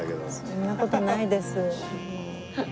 そんな事ないです。